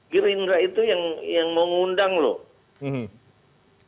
gerindra itu yang mau ngundang loh